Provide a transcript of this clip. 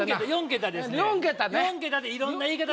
４桁でいろんな言い方。